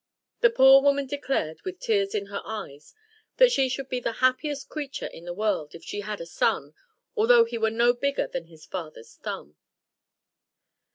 The poor woman declared, with tears in her eyes, that she should be the happiest creature in the world, if she had a son, although he were no bigger than his father's thumb.